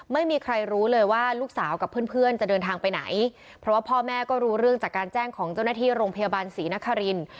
ไม่มีใครรู้เลยว่าลูกสาวกับเพื่อนเพื่อนจะเดินทางไปไหนเพราะว่าพ่อแม่ก็รู้เรื่องจากการแจ้งของเจ้าหน้าที่โรงพยาบาลศรีนคริน